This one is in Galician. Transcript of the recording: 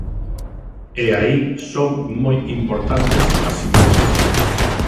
E aí son moi importantes as imaxes.